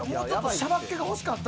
シャバっ気欲しかった。